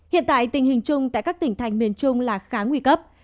hiện tại tình hình chung tại các tỉnh thành miền trung là khá nguy cấp